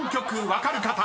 分かる方］